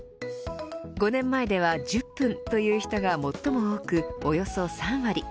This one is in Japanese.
５年前では、１０分という人が最も多くおよそ３割。